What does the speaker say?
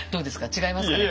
違いますかねこれ。